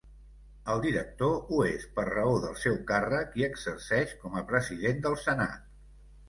El director ho és per raó del seu càrrec i exerceix com a president del Senat.